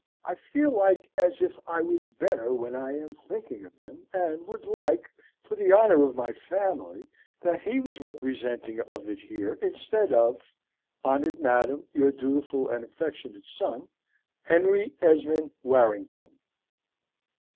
I feel like as if I was better when I am thinking of him, and would like, for the honour of my family, that he was representing of it here instead of Honored madam, your dutiful and affectionate son, HENRY ESMOND WARRINGTON."